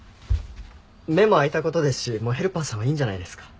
目も開いた事ですしもうヘルパーさんはいいんじゃないですか？